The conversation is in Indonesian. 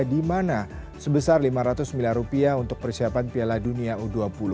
di mana sebesar lima ratus miliar rupiah untuk persiapan piala dunia u dua puluh